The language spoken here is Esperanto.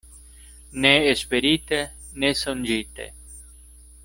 Ne esperite, ne sonĝite.